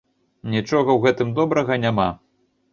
Нічога ў гэтым добрага няма.